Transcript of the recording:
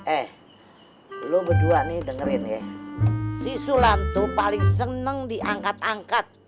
eh lo berdua nih dengerin ya si sulan tuh paling seneng diangkat angkat